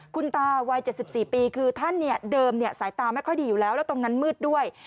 คุณตาวัย๗๔ปีคือท่านเดิมสายตาไม่ค่อยดีอยู่แล้วแล้วตรงนั้นมืดด้วย